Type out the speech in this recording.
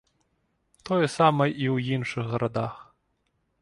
Тое самае і ў іншых гарадах.